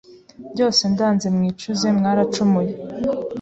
byose ndanze mwicuze mwaracumuye.